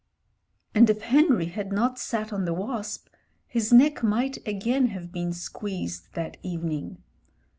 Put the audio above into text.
And if Henry had not sat on the wasp, his neck might again have been squeezed that evening.